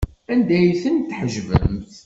Anda ay tent-tḥejbemt?